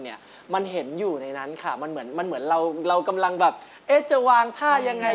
หิวให้ลำบากมาฝากทำไม